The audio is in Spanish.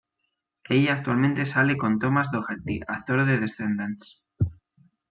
Ella actualmente sale con Thomas Doherty, actor de "Descendants".